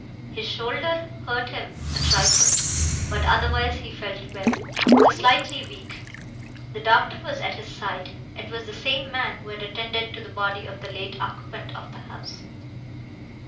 His shoulder hurt him a trifle, but otherwise he felt well, though slightly weak. The doctor was at his side. It was the same man who had attended to the body of the late occupant of the house.